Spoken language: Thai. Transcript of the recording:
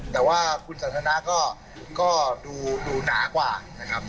แต่ว่าคุณสันทนาก็ดูหนากว่านะครับ